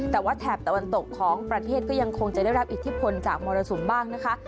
แต่ว่าแถบตะวันตกของประเทศก็ยังคงจะได้รับอิทธิพลจากมรสุมบ้างนะคะ